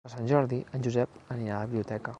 Per Sant Jordi en Josep anirà a la biblioteca.